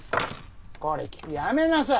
これキクやめなさい！